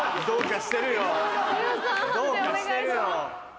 どうかしてるよ。